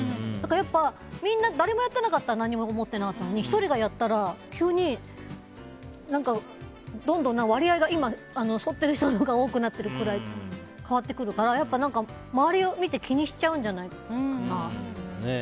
やっぱり誰もやっていなかったら何も思わなかったのに１人がやったら急にどんどん割合が今そってる人のほうが多くなってるくらい変わってくるから周りを見て三上さん、どう思いますか？